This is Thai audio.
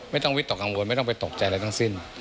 วิตกกังวลไม่ต้องไปตกใจอะไรทั้งสิ้น